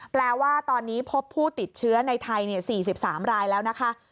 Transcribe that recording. แปลว่าตอนนี้พบผู้ติดเชื้อในไทย๔๓รายแล้วนะคะ